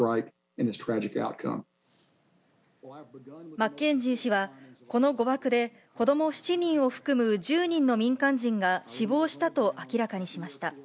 マッケンジー氏は、この誤爆で子ども７人を含む１０人の民間人が死亡したと明らかにしました。